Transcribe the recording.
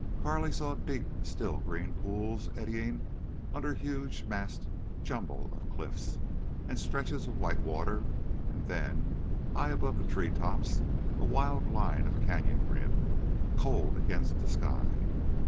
Carley saw deep, still green pools eddying under huge massed jumble of cliffs, and stretches of white water, and then, high above the treetops, a wild line of canyon rim, cold against the sky.